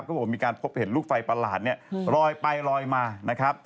ก็บอกมีการพบเห็นลูกไฟประหลาดรอยไปรอยมา